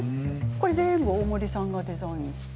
これは全部大森さんがデザインして？